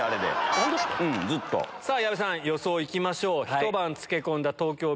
矢部さん予想行きましょう。